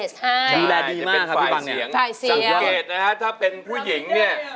เลยมากครับพี่บังเนี่ยสังเกตนะฮะถ้าเป็นผู้หญิงเนี่ย